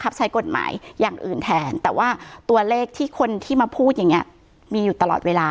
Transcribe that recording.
ใช้กฎหมายอย่างอื่นแทนแต่ว่าตัวเลขที่คนที่มาพูดอย่างเงี้ยมีอยู่ตลอดเวลา